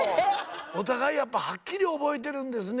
お互いやっぱはっきり覚えてるんですね。